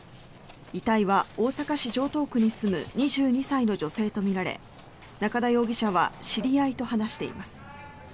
遺体は大阪市城東区に住む２２歳の女性とみられ中田容疑者は知り合いと話しています。